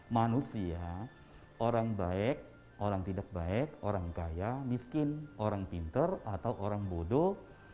manusia orang baik orang tidak baik orang kaya miskin orang pinter atau orang bodoh